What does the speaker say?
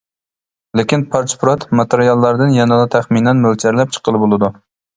لېكىن پارچە-پۇرات ماتېرىياللاردىن يەنىلا تەخمىنەن مۆلچەرلەپ چىققىلى بولىدۇ.